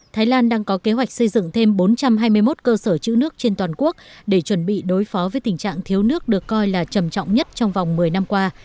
thái lan đang có kế hoạch xây dựng thêm bốn trăm hai mươi một cơ sở chữ nước trên toàn quốc để chuẩn bị đối phó với tình trạng thiếu nước được coi là trầm trọng nhất trong vòng một mươi năm qua